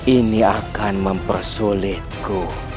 ini akan mempersulitku